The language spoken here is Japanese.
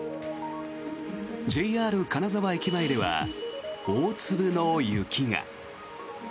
ＪＲ金沢駅前では大粒の雪が。